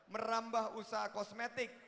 merambah usaha kosmetik